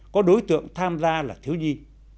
có đối tượng tham gia là thiếu nhi